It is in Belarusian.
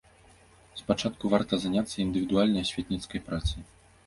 Спачатку варта заняцца індывідуальнай асветніцкай працай.